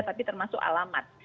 tapi termasuk alamat